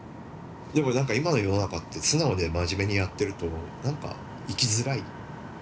でもなんか今の世の中って素直で真面目にやってるとなんか生きづらい。